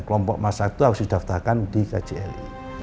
kelompok masa itu harus didaftarkan di kjri